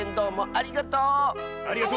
ありがとう！